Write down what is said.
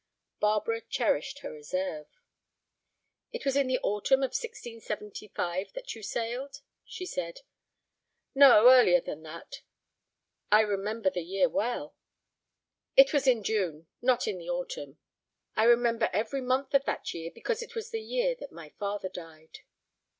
Barbara cherished her reserve. "It was in the autumn of 1675 that you sailed," she said. "No, earlier than that." "I remember the year well." "It was in June, not in the autumn." "I remember every month of that year, because it was the year that my father died."